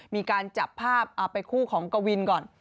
มีการจับภาพเอาไปคู่ของกวินก่อน